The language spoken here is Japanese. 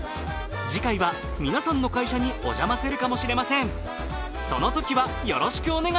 次回は皆さんの会社にお邪魔するかもしれませんそのときはよろしくお願いします